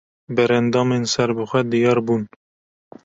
Berendamên serbixwe diyar bûn